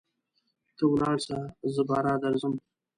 ته ولاړسه زه باره درځم.